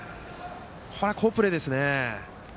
これは好プレーですね。